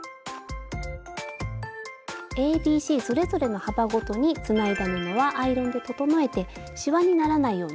ＡＢＣそれぞれの幅ごとにつないだ布はアイロンで整えてしわにならないようにね